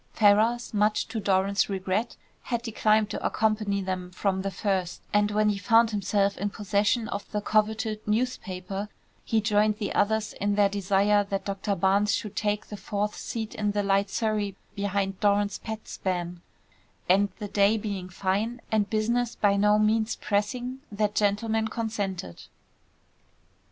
Ferrars, much to Doran's regret, had declined to accompany them from the first, and when he found himself in possession of the coveted newspaper, he joined the others in their desire that Doctor Barnes should take the fourth seat in the light surrey behind Doran's pet span; and the day being fine, and business by no means pressing, that gentleman consented.